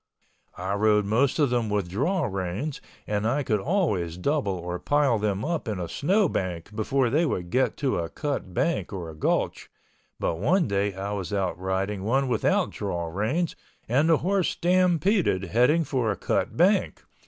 I rode most of them with draw reins and I could always double or pile them up in a snow bank before they would get to a cut bank or a gulch, but one day I was out riding one without draw reins and the horse stampeded heading for a cut bank.